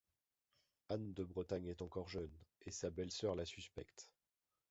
Anne de Bretagne est encore jeune, et sa belle-sœur la suspecte.